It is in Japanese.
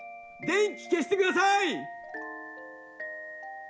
電気消してください！